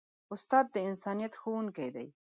استاد د انسانیت ښوونکی دی.